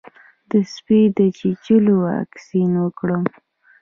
د سپي د چیچلو واکسین وکړم؟